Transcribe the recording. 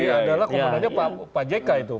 pak jokowi adalah komandannya pak jk itu